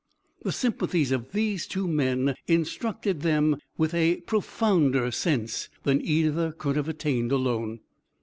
The sympathies of these two men instructed them with a profounder sense than either could have attained alone.